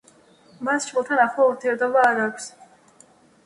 მას შვილთან ახლო ურთიერთობა არ აქვს.